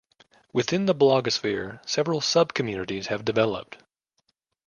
Within the blogosphere, several sub-communities have developed.